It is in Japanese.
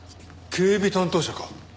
警備担当者か。